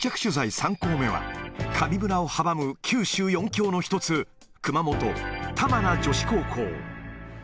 ３校目は、神村を阻む九州４強の１つ、熊本・玉名女子高校。